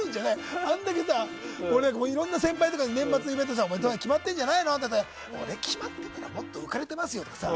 あれだけ、いろんな先輩とか年末のイベントで決まってるでしょって言われて俺って決まってたらもっと浮かれてますよってさ。